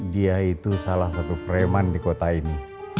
dia itu salah satu preman di kota ini